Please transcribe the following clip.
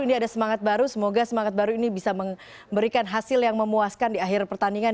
ini ada semangat baru semoga semangat baru ini bisa memberikan hasil yang memuaskan di akhir pertandingan